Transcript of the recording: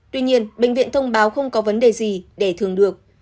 tuy nhiên bệnh viện thông báo không có vấn đề gì để thường được